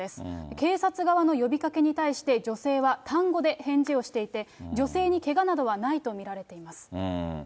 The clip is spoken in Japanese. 警察側の呼びかけに対して、女性は単語で返事をしていて、女性にけがなどはないと見られています。